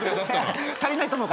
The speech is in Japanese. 足りないと思うから。